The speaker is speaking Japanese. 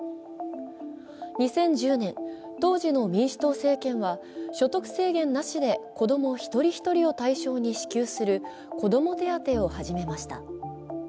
２０１０年、当時の民主党政権は所得制限なしで子供一人一人を対象に支給する子ども手当を始めました。